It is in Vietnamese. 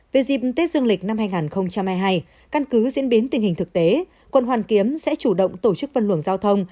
về dịp tết dương lịch năm hai nghìn hai mươi hai căn cứ diễn biến tình hình thực tế quận hoàn kiếm sẽ chủ động tổ chức văn luồng giao thông